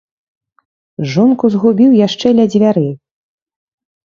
Жонку згубіў яшчэ ля дзвярэй.